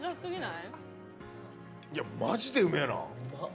いやマジでうめえな。